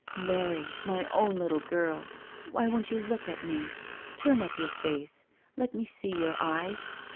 "Mary, my own little girl. Why won't you look at me ? Turn up your face. Let me see your eyes.